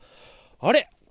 あれ？